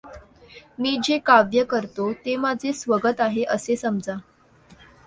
मी जे काव्य करतो ते माझे स्वगत आहे, असे समजा.